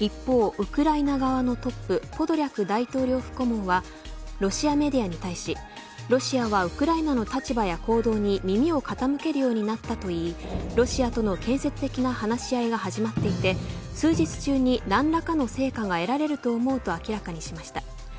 一方、ウクライナ側のトップポドリャク大統領府顧問はロシアメディアに対しロシアはウクライナの立場や行動に耳を傾けるようになったといいロシアとの建設的な話し合いが始まっていて数日中に何らかの成果が得られると思うと明らかにしました。